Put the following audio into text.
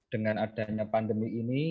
dengan adanya pandemi ini